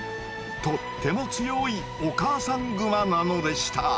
とっても強いお母さんグマなのでした。